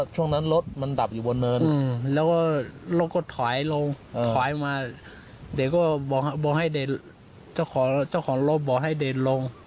ช่วงนั้นรถมันดับอยู่บนเนินแล้วก็รถก็ถอยลงถอยมาเด็กก็บอกให้เจ้าของเจ้าของรถบอกให้เด่นลง